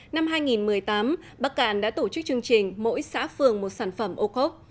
năm hai nghìn một mươi tám bắc cạn đã tổ chức chương trình mỗi xã phường một sản phẩm ô khốc